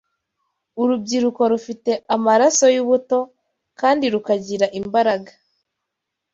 Urubyiruko rufite amaraso y’ubuto kandi rukagira imbaraga